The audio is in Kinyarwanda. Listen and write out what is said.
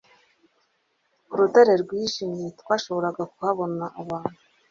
Ku rutare rwijimye twashoboraga kubona ahantu